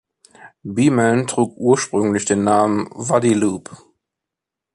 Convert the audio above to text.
Beaman trug ursprünglich den Namen Wadiloupe.